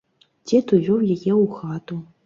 Дзед увёў яе ў хату.